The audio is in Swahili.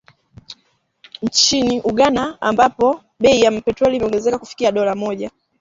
Nchini Uganda, ambapo bei ya petroli imeongezeka kufikia dola moja